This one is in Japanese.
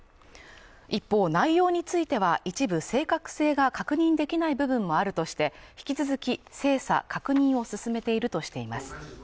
一方内容については一部正確性が確認できない部分もあるとして引き続き精査、確認を進めているとしています。